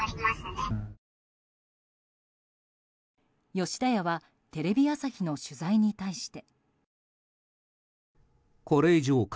吉田屋はテレビ朝日の取材に対して。